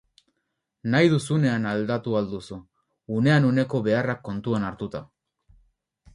Nahi duzunean aldatu ahal duzu, unean uneko beharrak kontuan hartuta.